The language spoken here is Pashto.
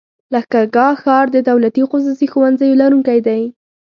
لښکرګاه ښار د دولتي او خصوصي ښوونځيو لرونکی دی.